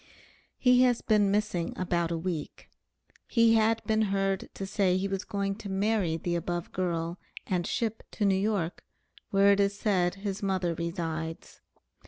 He has been missing about a week; he had been heard to say he was going to marry the above girl and ship to New York, where it is said his mother resides.